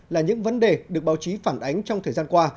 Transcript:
là những vấn đề được báo chí phản ánh trong thời gian qua